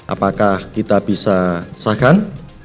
apakah kita bisa sahkan